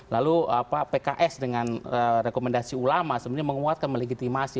lalu pks dengan rekomendasi ulama sebenarnya menguatkan melegitimasi